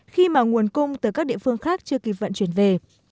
khi mà nguồn cung từ các địa phương khác chưa kịp vận chuyển về